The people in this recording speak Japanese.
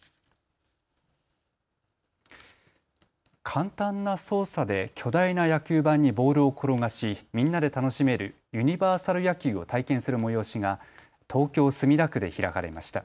簡単な操作で巨大な野球盤にボールを転がし、みんなで楽しめるユニバーサル野球を体験する催しが東京墨田区で開かれました。